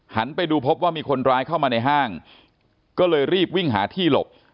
ไปดูพบว่ามีคนร้ายเข้ามาในห้างก็เลยรีบวิ่งหาที่หลบ